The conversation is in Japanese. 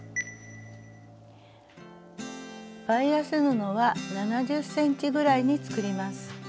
バイアス布は７０ｃｍぐらいに作ります。